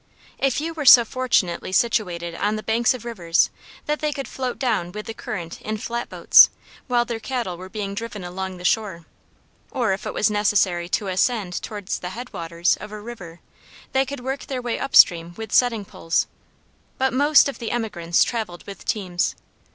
A few were so fortunately situated on the banks of rivers that they could float down with the current in flat boats, while their cattle were being driven along the shore; or, if it was necessary to ascend toward the head waters of a river, they could work their way up stream with setting poles. But most of the emigrants traveled with teams.